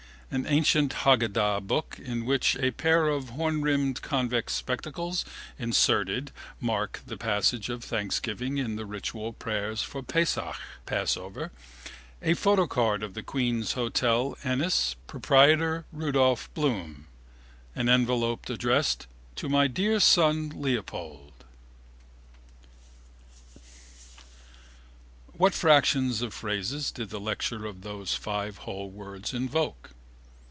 An ancient haggadah book in which a pair of hornrimmed convex spectacles inserted marked the passage of thanksgiving in the ritual prayers for Pessach (Passover): a photocard of the Queen's Hotel, Ennis, proprietor, Rudolph Bloom: an envelope addressed: To My Dear Son Leopold. What fractions of phrases did the lecture of those five whole words evoke?